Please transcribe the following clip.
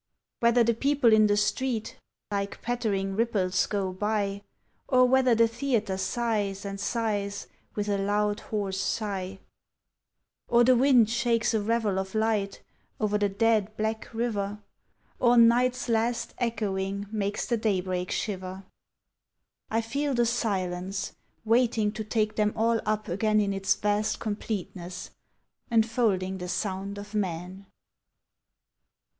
Whether the people in the street Like pattering ripples go by, Or whether the theatre sighs and sighs With a loud, hoarse sigh: Or the wind shakes a ravel of light Over the dead black river, Or night's last echoing Makes the daybreak shiver: I feel the silence waiting To take them all up again In its vast completeness, enfolding The sound of men.